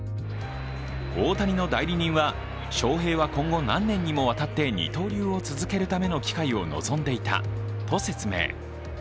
大谷の代理人は翔平は今後何年にもわたって二刀流を続けるための機会を望んでいたと説明。